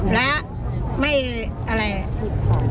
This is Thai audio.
และไม่อะไร